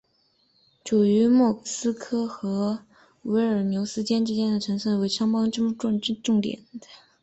处于莫斯科和维尔纽斯之间的城市斯摩棱斯克成为双方争夺重点。